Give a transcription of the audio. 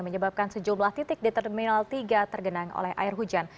menyebabkan sejumlah titik di terminal tiga tergenang oleh air hujan